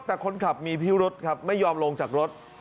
แต่คนขับมีพิรุษครับไม่ยอมลงจากรถ